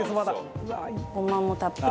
松本：ごまもたっぷり。